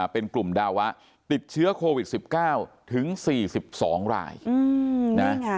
เป็นกลุ่มดาวะติดเชื้อโควิด๑๙ถึงสี่สิบสองรายนี่ไง